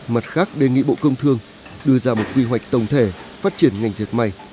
mặt khác đề nghị bộ công thương đưa ra một quy hoạch tổng thể phát triển ngành diệt may